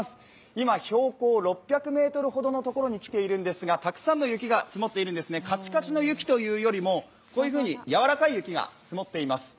今、標高６００ｍほどのところに来ているんですがたくさんの雪が積もっているんですカチカチの雪というよりもこういうふうに柔らかい雪が積もっています。